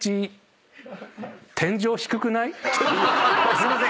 すいません。